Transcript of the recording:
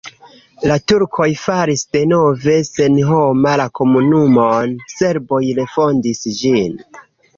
La turkoj faris denove senhoma la komunumon, serboj refondis ĝin.